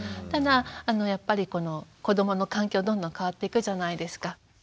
ただやっぱり子どもの環境どんどん変わっていくじゃないですか。